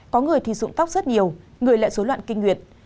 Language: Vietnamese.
có người thì dụng tóc rất nhiều người lại dối loạn kinh nguyệt